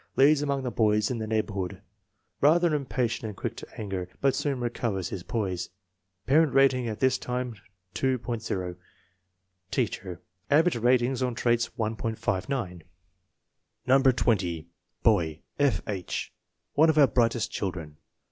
Leads among the boys in the neighbor hood. Rather impatient and quick to anger, but soon recovers his poise. Parent rating at this time, 2.00. Teacher. Average rating on traits, 1.59. No. 20. Boy: F. H. One of our brightest chil dren.